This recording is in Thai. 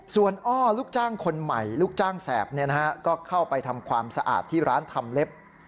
ส่วนอ้อลูกจ้างคนใหม่ลูกจ้างแสบก็เข้าไปทำความสะอาดที่ร้านทำเล็บ